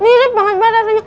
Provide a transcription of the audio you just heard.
mirip banget rasanya